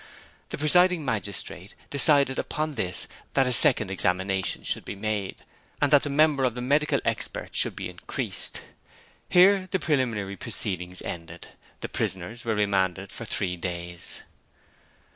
The presiding magistrate decided upon this that a second examination should be made, and that the member of the medical experts should be increased. Here the preliminary proceedings ended. The prisoners were remanded for three days.